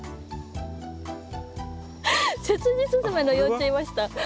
セスジスズメの幼虫いました。